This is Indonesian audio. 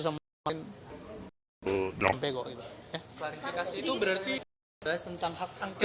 klarifikasi itu berarti tentang hak angkat